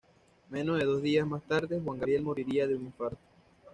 Menos de dos días más tarde, Juan Gabriel moriría de un infarto.